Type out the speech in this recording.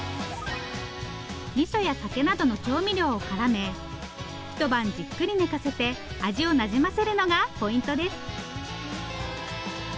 みそや酒などの調味料をからめ一晩じっくり寝かせて味をなじませるのがポイントです。